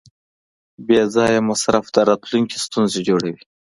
بېځایه مصرف د راتلونکي ستونزې جوړوي.